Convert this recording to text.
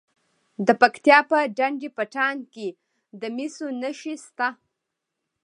د پکتیا په ډنډ پټان کې د مسو نښې شته.